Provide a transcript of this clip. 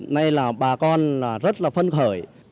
nay là bà con rất là phân khởi